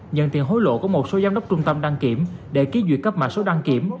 nhận tiền hối lộ của một số giám đốc trung tâm đăng kiểm để ký duyệt cấp mã số đăng kiểm